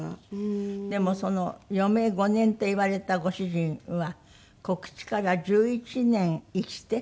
でもその余命５年といわれたご主人は告知から１１年生きて。